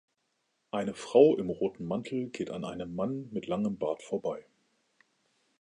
Eine Frau im roten Mantel geht an einem Mann mit langem Bart vorbei.